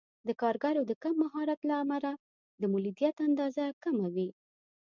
د کارګرو د کم مهارت له امله د مولدیت اندازه کمه وي.